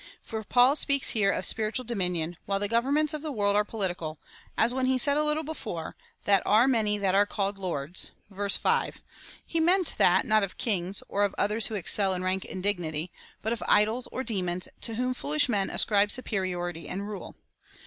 For Paul speaks here of spiritual dominion, while the governments of the world are political ; as when he said a little before — there are many that are called lords — (verse 5) — he meant that, not of kings, or of others who excel in rank and dignity, but of idols or demons, to whom foolish men ascribe superiority and rule.